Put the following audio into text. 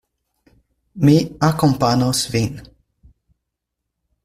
Mi akompanos vin.